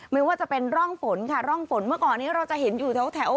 ไม่ว่าจะเป็นร่องฝนค่ะร่องฝนเมื่อก่อนนี้เราจะเห็นอยู่แถว